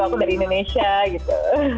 aku dari indonesia gitu